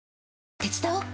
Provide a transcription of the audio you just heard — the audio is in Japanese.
手伝おっか？